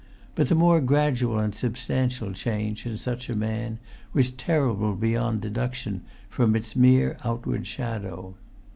But the more gradual and substantial change, in such a man, was terrible beyond deduction from its mere outward shadow.